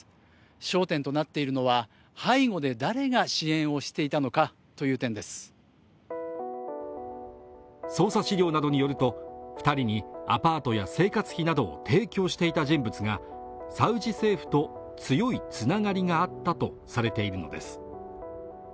焦点となっているのは背後で誰が支援をしていたのかという点です捜査資料などによると２人にアパートや生活費などを提供していた人物がサウジ政府と強いつながりがあったとされているのです